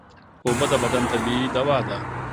اوبه د بدن طبیعي دوا ده